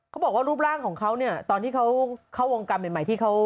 เขาบอกว่ารูปร่างของเขาเนี่ยตอนที่เขาเข้าวงการใหม่ที่เขา